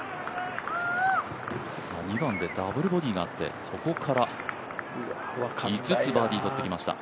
２番でダブルボギーがあって、そこから５つバーディー取ってきました。